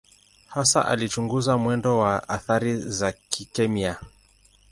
Hasa alichunguza mwendo wa athari za kikemia.